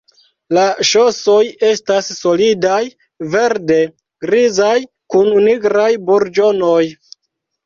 La ŝosoj estas solidaj, verde-grizaj, kun nigraj burĝonoj.